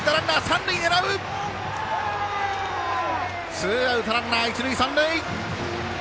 ツーアウト、ランナー、一塁三塁。